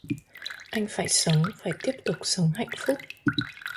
Anh phải sống phải tiếp tục sống hạnh phúc